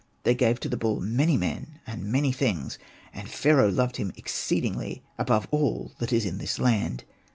They gave to the bull many men and many things, and Pharaoh loved him exceedingly above all that is in this land.